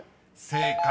［正解！］